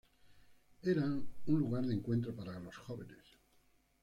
Eran un lugar de encuentro para los jóvenes.